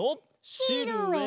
シルエット！